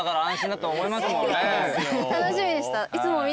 楽しみでした。